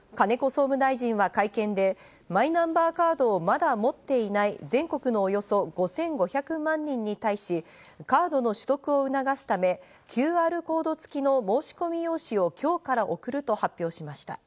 総務大臣は会見で、マイナンバーカードをまだ持っていない全国のおよそ５５００万人に対し、カードの取得を促すためＱＲコードつきの申込用紙を今日から送ると発表しました。